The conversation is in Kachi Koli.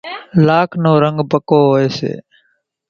لاک نو رنڳ پڪو هوئيَ سي۔